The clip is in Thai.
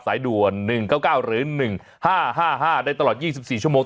สายด่วน๑๙๙หรือ๑๕๕๕ได้ตลอด๒๔ชั่วโมง